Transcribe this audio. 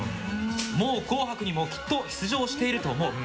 もう紅白にもきっと出場してると思う。